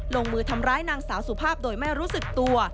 ลงมือทำร้ายนางสาวสุภาพโดยไม่รู้สึกตัว